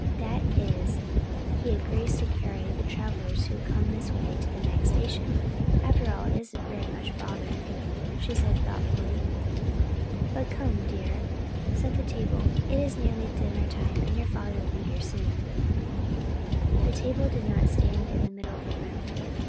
That is, he agrees to carry the travellers who come this way to the next station. After all, it isn't very much bother," she said, thoughtfully. "But come, dear, set the table; it is near dinner time, and your father will soon be here." The table did not stand in the middle of the room.